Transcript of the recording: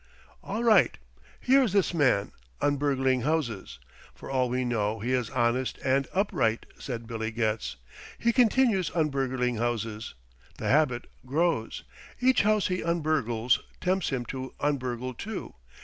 "All right! Here is this man, un burgling houses. For all we know he is honest and upright," said Billy Getz. "He continues un burgling houses. The habit grows. Each house he un burgles tempts him to un burgle two.